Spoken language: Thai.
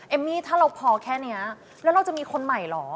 มี่ถ้าเราพอแค่นี้แล้วเราจะมีคนใหม่เหรอ